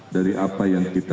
dari apa yang kita